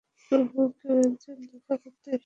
প্রভু, কেউ একজন দেখা করতে এসেছেন।